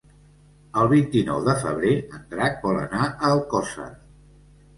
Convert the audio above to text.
El vint-i-nou de febrer en Drac vol anar a Alcosser.